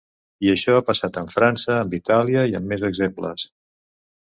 I això ha passat amb França, amb Itàlia i amb més exemples.